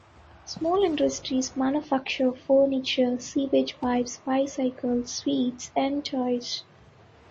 Small industries manufacture furniture, sewage pipes, bicycles, sweets and toys.